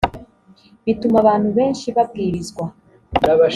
bituma abantu benshi babwirizwa